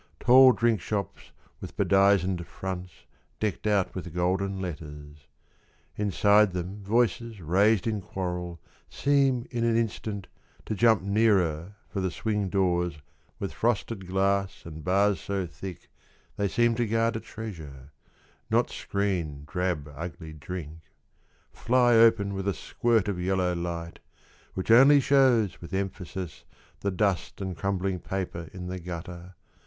— Tall drink shops with bedizened fronts Decked out with golden letters ; Inside them voices raised in quarrel Seem in an instant to jump nearer For the swing doors with frosted glass And bars so thick they seem to guard a treasure (Not screen drab ugly drink), Fly open with a squirt of yellow light Which only shews with emphasis The dust and crumbling paper in the gutter.